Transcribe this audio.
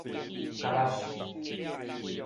蛤仔泅